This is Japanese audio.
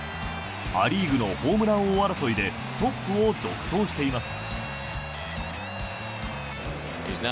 ア・リーグのホームラン王争いでトップを独走しています。